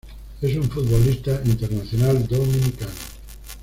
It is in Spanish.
Es un futbolista internacional dominicano.